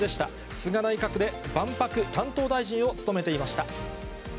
菅内閣で万博担当大臣を務めていました。